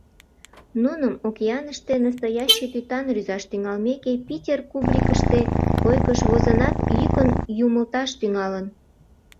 Нуным океаныште настоящий тӱтан рӱзаш тӱҥалмеке, Питер кубрикыште койкыш возынат, йӱкын юмылташ тӱҥалын.